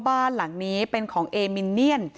บ้านหลังนี้เป็นของเอมินเนียน